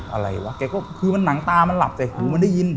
อะไรวะแกก็คือมันหนังตามันหลับใส่หูมันได้ยิน